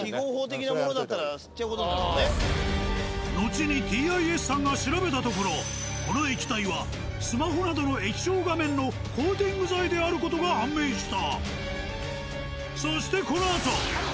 後に「ティ・アイ・エス」さんが調べたところこの液体はスマホなどの液晶画面のコーティング剤である事が判明した。